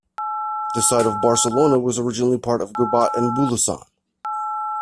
The site of Barcelona was originally part of Gubat and Bulusan.